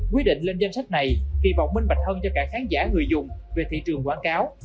quy định lên danh sách này kỳ vọng minh bạch hơn cho cả khán giả người dùng về thị trường quảng cáo